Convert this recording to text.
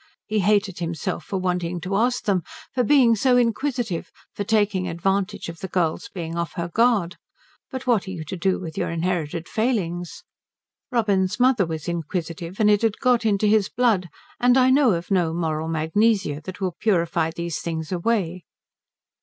He hated himself for wanting to ask them, for being so inquisitive, for taking advantage of the girl's being off her guard, but what are you to do with your inherited failings? Robin's mother was inquisitive and it had got into his blood, and I know of no moral magnesia that will purify these things away.